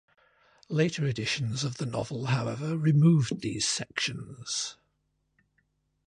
Later editions of the novel, however, removed these sections.